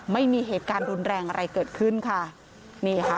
ไม่มีเหตุการณ์รุนแรงอะไรเกิดขึ้นค่ะนี่ค่ะ